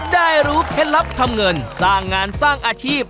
ได้รู้เคล็ดลับทำเงินสร้างงานสร้างอาชีพ